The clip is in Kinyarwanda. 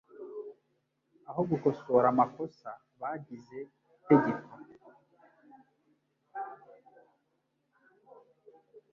AHO GUKOSORA AMAKOSA babigize itegeko